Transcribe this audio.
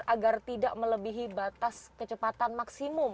agar tidak melebihi batas kecepatan maksimum